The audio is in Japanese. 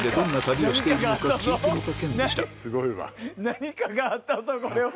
何かがあったぞこれは！